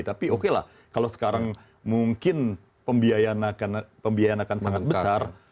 tapi oke lah kalau sekarang mungkin pembiayaan akan sangat besar